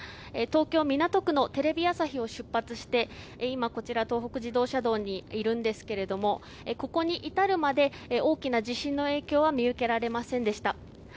東京・港区のテレビ朝日を出発して東北自動車道にいるんですけどもここに至るまで大きな地震の影響は見受けられませんでした。